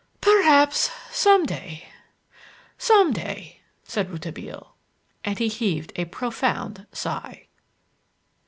"Perhaps some day; some day," said Rouletabille. And he heaved a profound sigh.